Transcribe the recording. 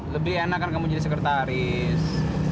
lebih enak kan kamu jadi sekretaris